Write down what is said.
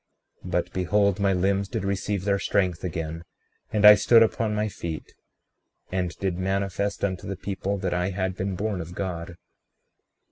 36:23 But behold, my limbs did receive their strength again, and I stood upon my feet, and did manifest unto the people that I had been born of God.